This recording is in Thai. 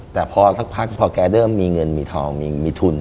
แต่พอสักพักพอแกเริ่มมีเงินมีทองมีทุน